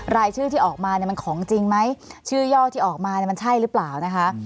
รายชื่อที่ออกมาเนี่ยมันของจริงไหมชื่อย่อที่ออกมามันใช่หรือเปล่านะคะ